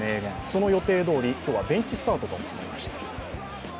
その予定どおり、今日はベンチスタートとなりました。